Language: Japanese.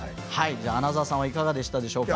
穴澤さんはいかがでしたでしょうか？